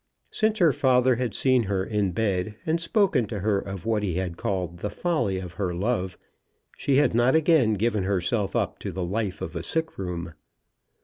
Since her father had seen her in bed, and spoken to her of what he had called the folly of her love, she had not again given herself up to the life of a sick room.